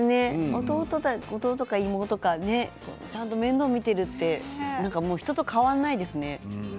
弟とか妹とかちゃんと面倒を見ているって人と変わらないですね。